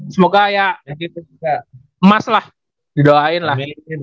semoga ya emas lah didoain lah